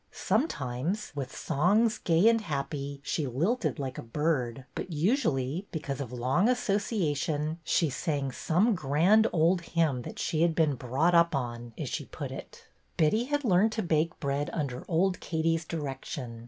Sometimes, with songs gay and happy, she lilted like a bird ; but usually, because of long association, she sang some grand old hymn that she had been ''brought up on," as she put it. 1 64 BETTY BAIRD'S VENTURES Betty had learned to bake bread under old Katie's direction.